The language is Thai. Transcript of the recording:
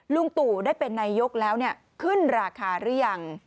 ลุงตู่ได้เป็นนายกแล้วขึ้นราคาหรือยัง